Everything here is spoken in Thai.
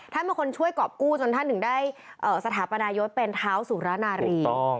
เป็นคนช่วยกรอบกู้จนท่านถึงได้สถาปนายกเป็นเท้าสุรนารี